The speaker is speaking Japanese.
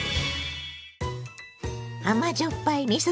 甘じょっぱいみそ